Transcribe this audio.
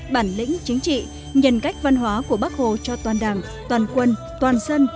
bản lĩnh chính trị nhân cách văn hóa của bắc hồ cho toàn đảng toàn quân toàn dân